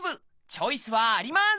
チョイスはあります！